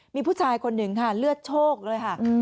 มีผู้ชายคนหนึ่งค่ะเลือดโชคเลยค่ะ